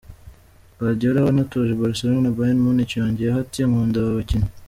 Guardiola, wanatoje Barcelona na Bayern Munich, yongeyeho ati: "Nkunda aba bakinnyi".